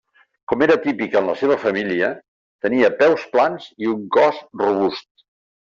Com era típic en la seva família, tenia peus plans i un cos robust.